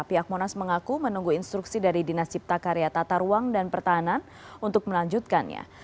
pihak monas mengaku menunggu instruksi dari dinas cipta karya tata ruang dan pertahanan untuk melanjutkannya